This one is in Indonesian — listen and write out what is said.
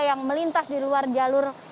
yang melintas di luar jalur